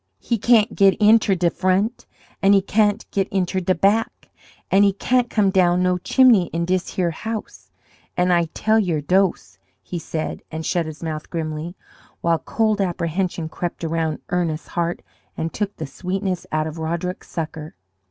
"He can't git inter de front, an' he can't git inter de back, an' he can't come down no chimney in dis here house, an' I tell yer dose," he said, and shut his mouth grimly, while cold apprehension crept around Ernest's heart and took the sweetness out of Roderick's sucker.